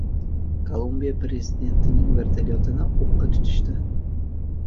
Kolumbiya prezidentining vertolyotini o‘qqa tutishdi